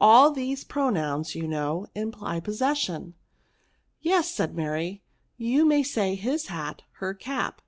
All these pronouns, you know, imply posses sion. Yes," said Mary, you may say, his hat, her cap.